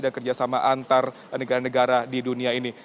dan kerjasama antar negara negara di dunia ini